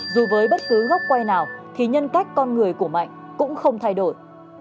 dù với bất cứ gốc quay nào thì nhân cách con người của mạnh cũng không thay đổi